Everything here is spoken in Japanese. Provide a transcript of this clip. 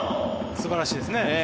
素晴らしいですね。